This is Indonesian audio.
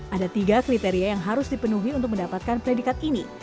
ada tiga kriteria yang harus dipenuhi untuk mendapatkan predikat ini